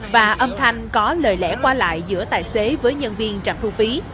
và âm thanh có lời lẽ qua lại giữa tài xế với nhân viên trạm thu phí